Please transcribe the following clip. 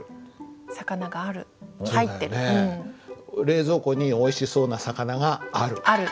「冷蔵庫においしそうな魚がある」